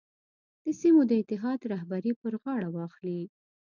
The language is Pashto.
د سیمو د اتحاد رهبري پر غاړه واخلي.